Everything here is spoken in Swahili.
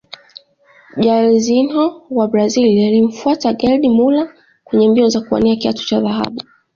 Jairzinho wa Brazil alimfuatia gerd muller kwenye mbio za kuwania kiatu cha dhahabu